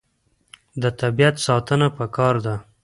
د طبیعت ساتنه پکار ده.